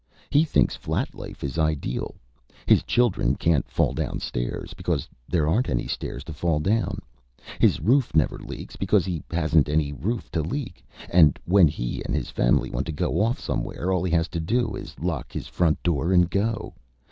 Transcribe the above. He thinks flat life is ideal. His children can't fall down stairs, because there aren't any stairs to fall down. His roof never leaks, because he hasn't any roof to leak; and when he and his family want to go off anywhere, all he has to do is to lock his front door and go.